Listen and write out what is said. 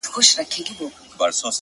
• خپل گرېوان او خپل وجدان ته ملامت سو,